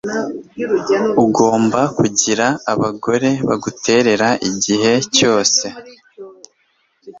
ugomba kugira abagore baguterera igihe cyose